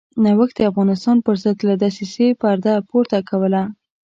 نوښت د افغانستان پرضد له دسیسې پرده پورته کوله.